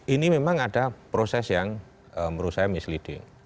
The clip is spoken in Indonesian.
ini memang ada proses yang menurut saya misleading